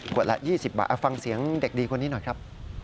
ละ๒๐บาทเอาฟังเสียงเด็กดีคนนี้หน่อยครับ